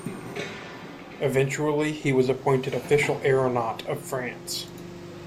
Eventually he was appointed Official Aeronaut of France.